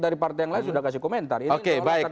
dari partai yang lain sudah kasih komentar